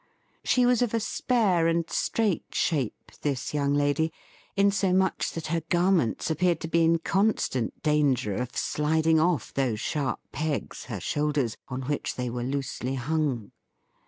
She was of a spare and straight shape, this young lady, insomuch that her garments appeared to be in constant danger of sliding off those sharp pegs, her shoulders, on which they were loosely hung.